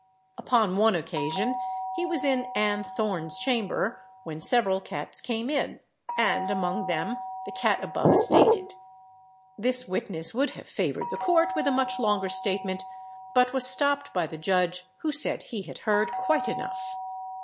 Upon one occasion he was in Ann Thorne's chamber, when several cats came in, and among them the cat above stated. This witness would have favoured the court with a much longer statement, but was stopped by the judge, who said he had heard quite enough.